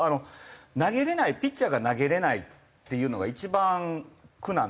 投げられないピッチャーが投げられないっていうのが一番苦なんで。